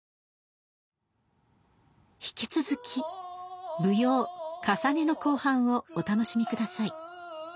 引き続き舞踊「かさね」の後半をお楽しみください。